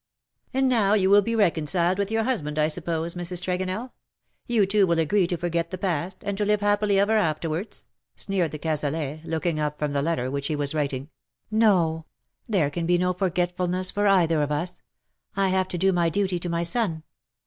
^' "And now you will be reconciled with your hus band, I suppose, Mrs. Tregonell. You two will agree to forget the past, and to live happily ever afterwards ?' sneered de Cazalet, looking up from the letter which he was writing. " No ! there can be no forgetfulness for either of us. I have to do my duty to my son.